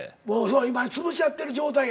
今つぶし合ってる状態やねん。